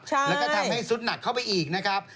แล้วก็ทำให้สุดหนักเข้าไปอีกนะครับ